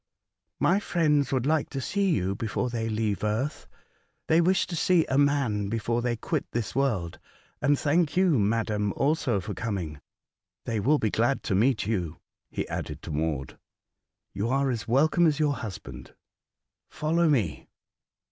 '' My friends would like to see you before they leave Earth. They wish to see a man before they quit this world. And thank you, madam, also for coming. They will be glad to meet you," he added to Maud ;*' you are as welcome as your husband. Follow me."